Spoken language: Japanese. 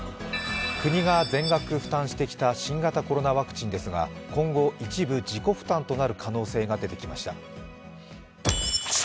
国が全額負担してきた新型コロナワクチンですが今後、一部自己負担となる可能性が出てきました。